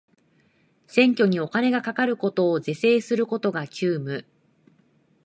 選挙にお金がかかるのを是正することが急務